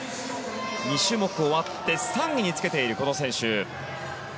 ２種目終わって３位につけている、この選手。